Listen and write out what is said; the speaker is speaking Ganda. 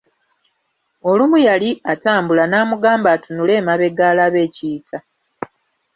Olumu yali atambula n'amugamba atunule emabega alabe ekiyita.